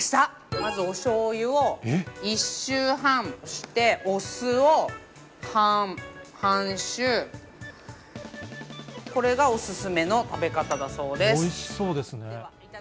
まずおしょうゆを１周半して、お酢を半周、これがお勧めの食べおいしそうですね。